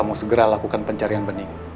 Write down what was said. kamu segera lakukan pencarian beny